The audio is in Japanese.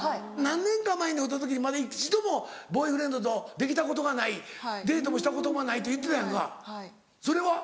何年か前に会うた時まだ一度もボーイフレンドできたことがないデートもしたこともないって言ってたやんかそれは？